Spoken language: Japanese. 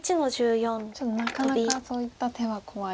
ちょっとなかなかそういった手は怖い。